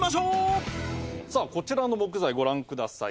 さあこちらの木材ご覧ください。